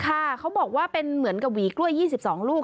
เขาบอกว่าเป็นเหมือนกับหวีกล้วย๒๒ลูก